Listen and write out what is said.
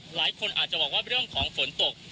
หลายคนอาจจะบอกว่าเรื่องของฝนตก